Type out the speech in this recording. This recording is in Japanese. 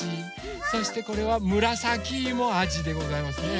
そしてこれはむらさきいもあじでございますね。